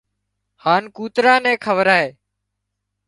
هانَ ڪوترا نين کوَرائي